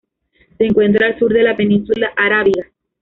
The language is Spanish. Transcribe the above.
Se encuentra al sur de la Península Arábiga.